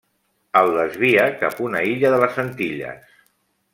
El desvia cap a una illa de les Antilles.